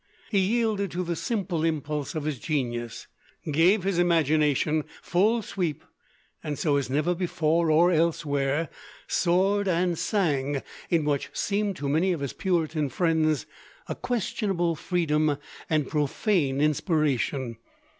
He yielded to the simple impulse of his genius, gave his imagination full sweep, and so, as never before or elsewhere, soared and sang in what seemed to many of his Puritan friends a questionable freedom and profane inspiration.